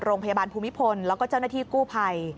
โรงพยาบาลภูมิพลแล้วก็เจ้าหน้าที่กู้ภัย